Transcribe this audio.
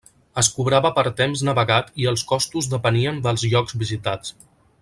Es cobrava per temps navegat i els costos depenien dels llocs visitats.